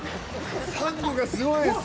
サンゴがすごいっす。